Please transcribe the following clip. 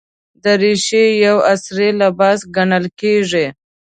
دریشي یو عصري لباس ګڼل کېږي.